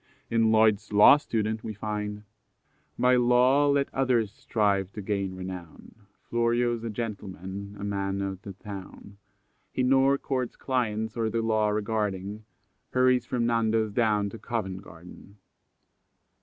In Lloyd's Law Student we find: "By law let others strive to gain renown! Florio's a gentleman, a man o' th' town. He nor courts clients, or the law regarding, Hurries from Nando's down to Covent Garden.